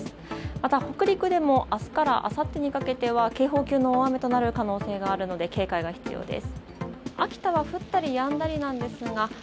また北陸でも明日からあさってにかけては警報級の大雨になる可能性があるので警戒が必要です。